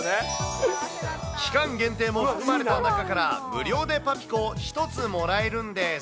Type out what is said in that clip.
期間限定も含まれた中から、無料でパピコを１つもらえるんです。